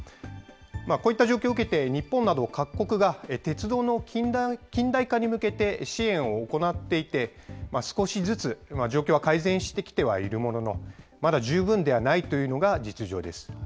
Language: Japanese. こういった状況を受けて、日本など各国が、鉄道の近代化に向けて支援を行っていて、少しずつ状況は改善してきているものの、まだ十分ではないというのが実情です。